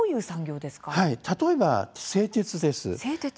例えば製鉄です。